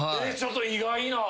ちょっと意外な！